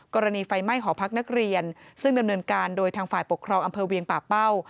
กรณีไฟไหม้หอพักนักเรียนซึ่งดำเนินการโดยทางฝ่ายปกครองอำเภอเวียงป่าเป้า